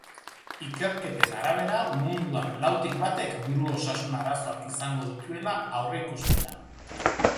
Ikerketen arabera, munduan lautik batek buru osasun arazoak izango dituela aurreikusten da.